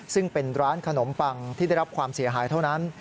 ซึ่งเป็นร้านขนมปังที่ได้รับความเสียหายเท่านั้น